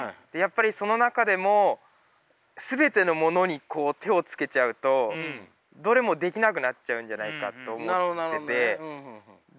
その中でも全てのものに手をつけちゃうとどれもできなくなっちゃうんじゃないかと思ってて。